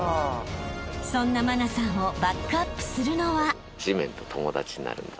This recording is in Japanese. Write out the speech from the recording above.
［そんな茉奈さんをバックアップするのは］